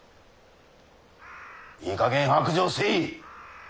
いいかげん白状せい。